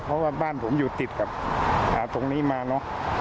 เพราะว่าบ้านผมอยู่ติดกับตรงนี้มาเนอะ